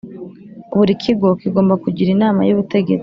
Buri Kigo kigomba kugira inama y’ubutegetsi